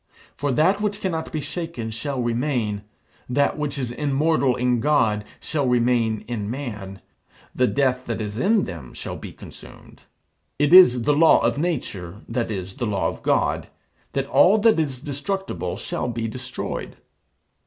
For that which cannot be shaken shall remain. That which is immortal in God shall remain in man. The death that is in them shall be consumed. It is the law of Nature that is, the law of God that all that is destructible shall be destroyed.